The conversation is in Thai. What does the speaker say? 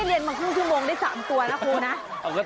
เรียนมาครึ่งชั่วโมงได้๓ตัวนะครูนะ